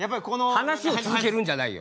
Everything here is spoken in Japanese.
話を続けるんじゃないよ！